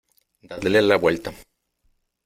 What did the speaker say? ¡ Dadle la vuelta !